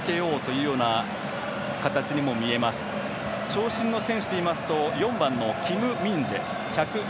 長身の選手でいいますと４番のキム・ミンジェ。